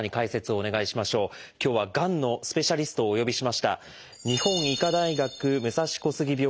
今日はがんのスペシャリストをお呼びしました。